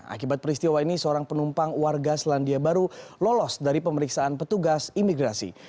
akibat peristiwa ini seorang penumpang warga selandia baru lolos dari pemeriksaan petugas imigrasi